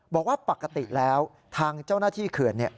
บอกว่าปกติแล้วทางเจ้าหน้าที่เขื่อน